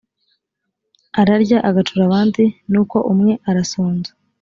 ararya agacura abandi nuko umwe arasonza